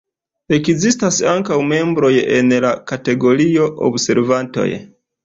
Ekzistas ankaŭ membroj en la kategorio 'observantoj'.